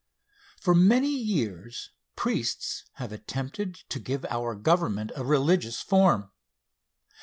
For many years priests have attempted to give to our Government a religious form.